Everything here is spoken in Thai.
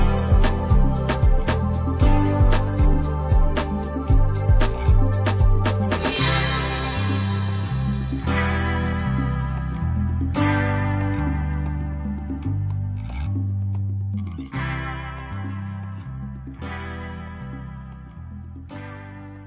สวัสดีครับสวัสดีครับ